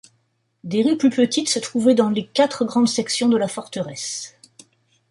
Des rues plus petites se trouvaient dans les quatre grandes sections de la forteresse.